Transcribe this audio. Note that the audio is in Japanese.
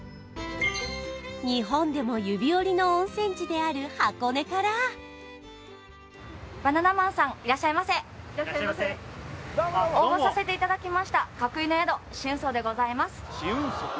日本でも指折りの温泉地である箱根からいらっしゃいませ応募させていただきました鶴井の宿紫雲荘でございます